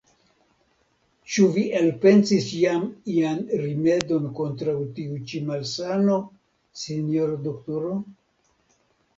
Ĉu vi elpensis jam ian rimedon kontraŭ tiu ĉi malsano, sinjoro doktoro?